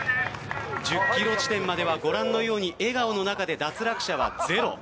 １０キロ地点まではご覧のように笑顔の中で脱落者はゼロ。